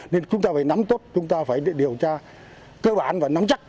nên chúng ta phải nắm tốt chúng ta phải điều tra cơ bản và nắm chắc